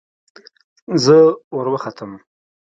زه وروختم.